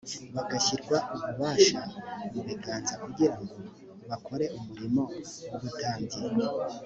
bagashyirwa ububasha mu biganza kugira ngo bakore umurimo w’ubutambyi